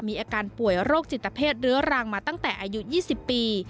มีอาการป่วยโรคจิตเพศเรื้อรังมาตั้งแต่อายุ๒๐ปี